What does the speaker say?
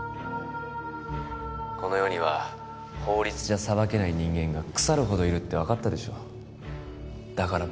この世には法律じゃ裁けない人間が腐るほどいるって分かったでしょだから